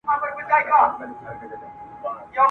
اې په خوب ویده ماشومه! !.